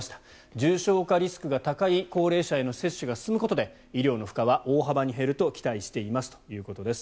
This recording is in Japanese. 重症化リスクが高い高齢者への接種が進むことで医療の負荷は大幅に減ると期待していますということです。